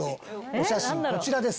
お写真こちらです。